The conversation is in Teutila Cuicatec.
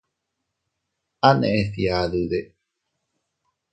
¿A neʼe fgiadude?